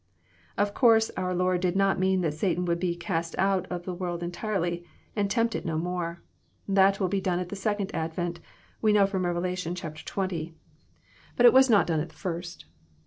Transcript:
Of course our Lord did not mean that Satan would be *^ cast out " of this world entirely, and tempt it no more. That will he done at the second advent, we know from Rev. xz. ; but it was 854 EXPOsrroBY thoughts. not done at the first.